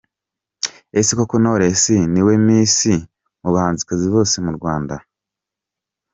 Ese koko Knowless ni we Miss mu bahanzi bose mu Rwanda?.